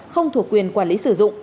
không thuộc quyền quản lý sử dụng